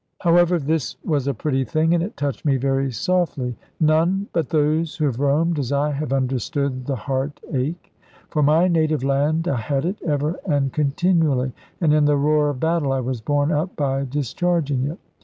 However this was a pretty thing, and it touched me very softly. None but those who have roamed as I have understand the heart ache. For my native land I had it, ever and continually, and in the roar of battle I was borne up by discharging it.